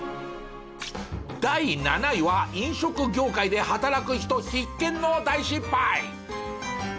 第７位は飲食業界で働く人必見の大失敗。